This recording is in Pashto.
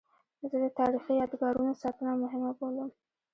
زه د تاریخي یادګارونو ساتنه مهمه بولم.